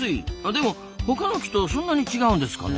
でも他の木とそんなに違うんですかね？